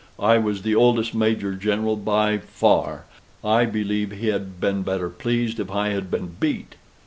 I was the oldest major general. By , I believe he had been better pleased if I had been beat."